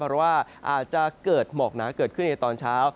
เพราะว่าอาจจะเกิดหมอกหนาเกิดขึ้นในตอนเช้า